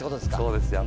そうですよ。